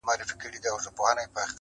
يې ياره شرموه مي مه ته هرڅه لرې ياره.